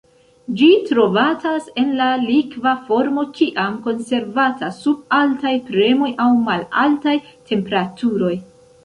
Ĝi trovatas en la likva formo kiam konservata sub altaj premoj aŭ malaltaj temperaturoj.